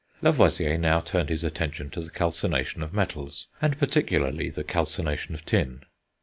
Lavoisier now turned his attention to the calcination of metals, and particularly the calcination of tin.